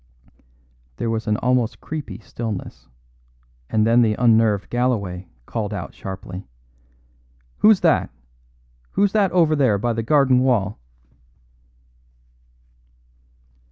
There was an almost creepy stillness, and then the unnerved Galloway called out sharply: "Who's that! Who's that over there by the garden wall!"